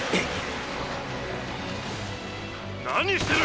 何してる！